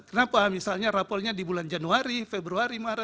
kenapa misalnya rapolnya di bulan januari februari maret